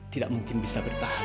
tidak mungkin bisa bertahan